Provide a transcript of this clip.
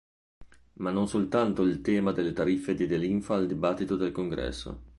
Ma non soltanto il tema delle tariffe diede linfa al dibattito del Congresso.